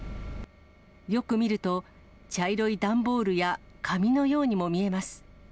よく見ると、茶色い段ボールや紙のようにも見えます。